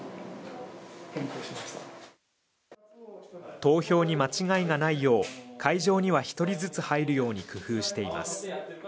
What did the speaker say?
投票に間違いがないよう会場には一人ずつ入るように工夫しています